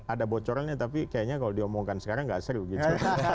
ada bocorannya tapi kayaknya kalau diomongkan sekarang nggak seru gitu